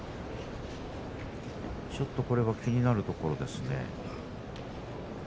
ちょっとこれは気になるところですね。